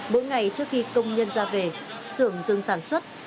mỗi ngày trước khi công nhân ra về xưởng dừng sản xuất